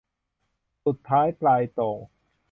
สุดท้ายปลายโต่ง